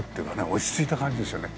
落ち着いた感じですよね。